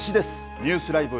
ニュースＬＩＶＥ！